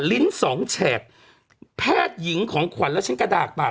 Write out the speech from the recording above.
ลิ้นสองแฉกแพทย์หญิงของขวัญและฉันกระดาษปาก